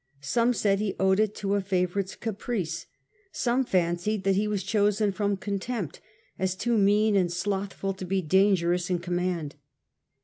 Some said he owed It to Rhine, a favourite's caprice ; some fancied that he was chosen from contempt, as too mean and slothful to be dangerous in command.